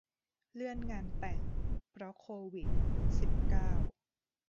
เลื่อนงานแต่ง เพราะโควิด สิบเก้า